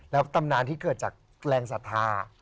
แล้วตำนานที่เกิดจากแรงศรัทธา